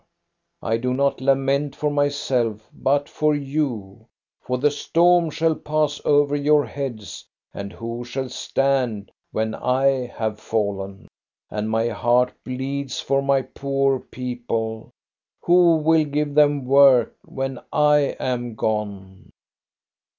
I do not lament for myself, but for you ; for the storm shall pass over your heads, and who shall stand when I have fallen ? And my heart bleeds for my poor people. Who will give them work when I am gone